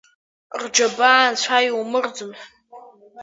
Рџьабаа анцәа иумырӡын!